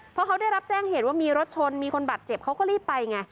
พอเขาได้รับแจ้งเหตุว่ามีรถชนมีคนบาดเจ็บเขาก็รีบไปไง